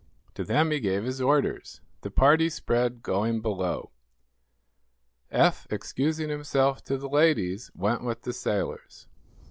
To them he gave his orders. The party spread, going below. Eph, excusing himself to the ladies, went with the sailors.